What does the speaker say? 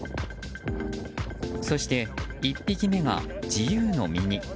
そして１匹目が自由の身に。